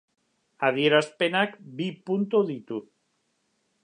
Adierazpenak bi puntu ditu.